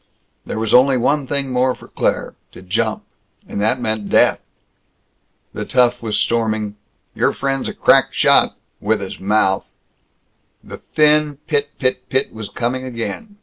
There was only one thing more for Claire to jump. And that meant death. The tough was storming, "Your friend's a crack shot with his mouth!" The thin pit pit pit was coming again.